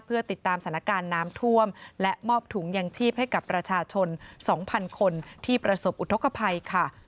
เพื่อติดตามสถานการณ์น้ำท่วมและมอบถุงยังชีพให้กับประชาชน๒๐๐คนที่ประสบอุทธกภัยค่ะ